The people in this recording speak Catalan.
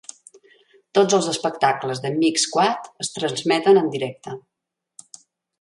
Tots els espectacles de Mix Squad es transmeten en directe.